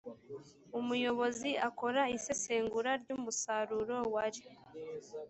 umuyobozi akora isesengura ry umusaruro wari